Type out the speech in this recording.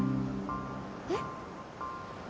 えっ？